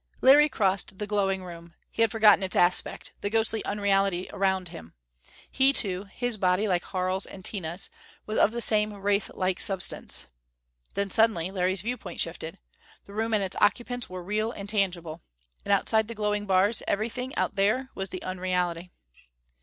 Larry crossed the glowing room. He had forgotten its aspect the ghostly unreality around him. He too his body, like Harl's and Tina's was of the same wraith like substance.... Then, suddenly, Larry's viewpoint shifted. The room and its occupants were real and tangible. And outside the glowing bars everything out there was the unreality.